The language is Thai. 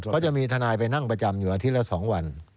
เขาจะมีทนายไปนั่งประจำอยู่อาทิตย์ละ๒วัน